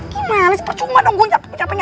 gimana sih percuma dong gue nyapa nyapu kayak gini